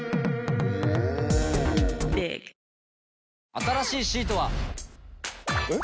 新しいシートは。えっ？